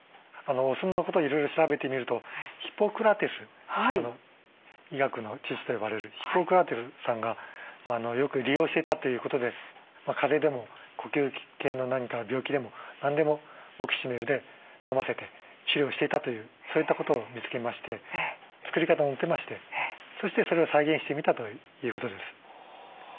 お酢のこといろいろ調べてみるとヒポクラテス医学の父と呼ばれるヒポクラテスさんがよく利用してたということで風邪でも呼吸器系の何か病気でも何でもオキシメルで飲ませて治療していたというそういったことを見つけまして作り方載ってましてそしてそれを再現してみたということです。